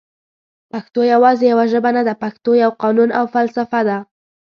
پښتو یواځي یوه ژبه نده پښتو یو قانون او فلسفه ده